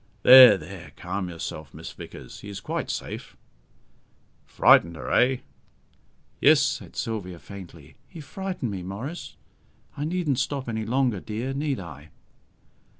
There, there, calm yourself, Miss Vickers. He is quite safe." "Frightened her, eh?" "Yes," said Sylvia faintly, "he frightened me, Maurice. I needn't stop any longer, dear, need I?"